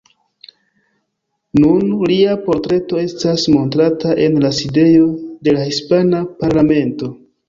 Nun lia portreto estas montrata en la sidejo de la hispana parlamento.